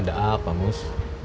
ada apa mus